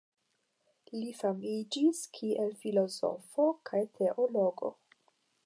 Li famiĝis kiel filozofo kaj teologo.